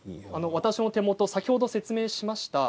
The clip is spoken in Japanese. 私の手もと先ほど説明しました